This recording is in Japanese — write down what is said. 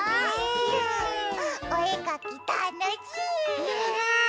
おえかきたのしい！ね！ね！